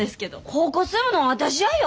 ここ住むのは私やよ。